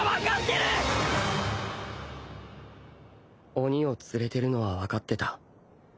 鬼を連れてるのは分かってた